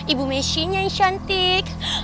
ibu meshi nya yang cantik